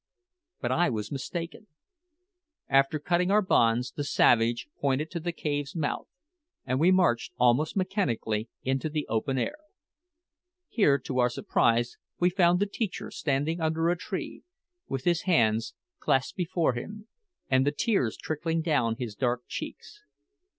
But I was mistaken. After cutting our bonds the savage pointed to the cave's mouth, and we marched, almost mechanically, into the open air. Here, to our surprise, we found the teacher standing under a tree, with his hands clasped before him, and the tears trickling down his dark cheeks.